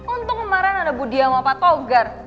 untung kemarin ada bu diamo apa togar